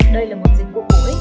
đây là một dịch vụ hữu ích